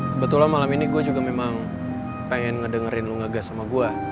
kebetulan malam ini gue juga memang pengen ngedengerin lu ngegas sama gue